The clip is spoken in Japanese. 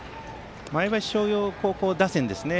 前橋商業高校打線ですね